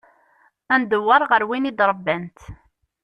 Ad ndewweṛ ɣer win i d-ṛebbant.